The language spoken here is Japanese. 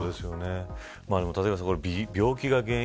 立岩さん、病気が原因。